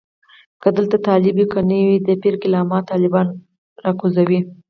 که دلته طالب وي که نه وي د پیر کمالات طالبان راکوزوي.